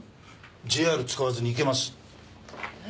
ＪＲを使わずに行けます。